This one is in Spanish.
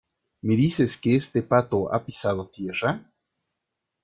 ¿ me dices que este pato ha pisado tierra?